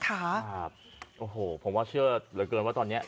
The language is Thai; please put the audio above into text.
ครับโอ้โหผมว่าเชื่อเหลือเกินว่าตอนนี้